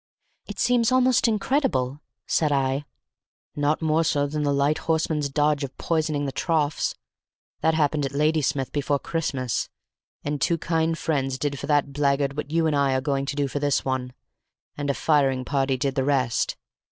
"It seems almost incredible," said I. "Not more so than the Light Horseman's dodge of poisoning the troughs; that happened at Ladysmith before Christmas; and two kind friends did for that blackguard what you and I are going to do for this one, and a firing party did the rest.